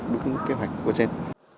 đúng kế hoạch của trên